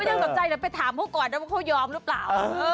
ไม่ต้องสนใจแต่ไปถามเขาก่อนว่าเขายอมหรือเปล่า